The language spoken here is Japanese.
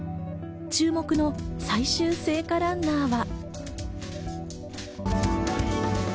注目の最終聖火ランナーは。